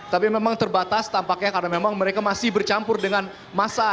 tapi memang terbatas tampaknya karena memang mereka masih bercampur dengan masa